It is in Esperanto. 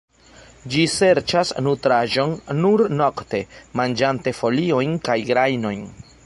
Ĝi serĉas nutraĵon nur nokte, manĝante foliojn kaj grajnojn.